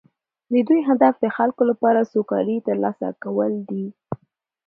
د دوی هدف د خلکو لپاره سوکالي ترلاسه کول دي